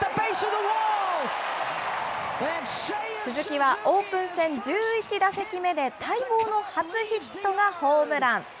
鈴木は、オープン戦１１打席目で待望の初ヒットがホームラン。